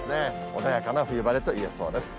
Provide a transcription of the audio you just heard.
穏やかな冬晴れと言えそうです。